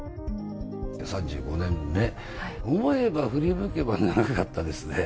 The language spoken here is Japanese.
３５年ね、思えば、振り向けば長かったですね。